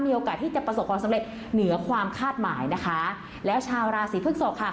มีโอกาสที่จะประสบความสำเร็จเหนือความคาดหมายนะคะแล้วชาวราศีพฤกษกค่ะ